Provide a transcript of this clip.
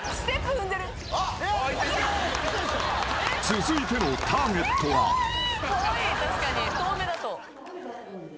［続いてのターゲットは］はいー。